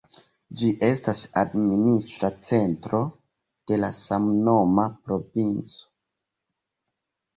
Ĝi estas administra centro de la samnoma provinco.